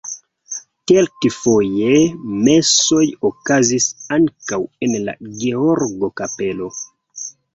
Kelkfoje mesoj okazis ankaŭ en la Georgo-kapelo.